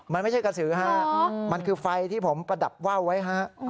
มันไม่ใช่กระสือฮะมันคือไฟที่ผมประดับว่าวไว้ฮะ